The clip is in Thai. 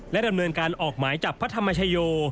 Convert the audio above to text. ดำเนินการออกหมายจับพระธรรมชโย